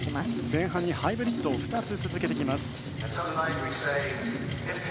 前半にハイブリッドを２つ続けてきます。